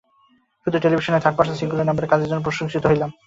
শুধু টেলিভিশন নয়, third person singular নাম্বার-এ কাজের জন্যও প্রশংসিত হলাম।